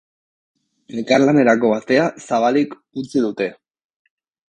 Elkarlanerako atea zabalik utzi dute.